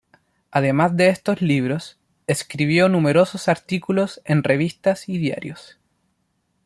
Además de estos libros, escribió numerosos artículos en revistas y diarios.